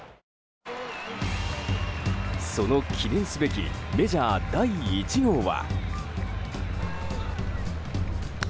その記念すべきメジャー第１号は。